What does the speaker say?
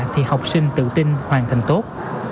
thì học sinh tự tin hoàn thành tốt